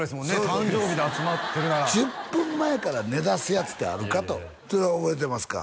誕生日で集まってるなら１０分前から寝だすやつってあるかとそれは覚えてますか？